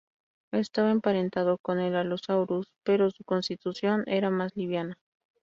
Estaba emparentado con el "Allosaurus", pero su constitución era más liviana.